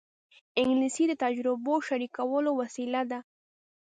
انګلیسي د تجربو شریکولو وسیله ده